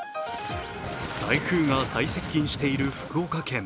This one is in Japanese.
台風が最接近している福岡県。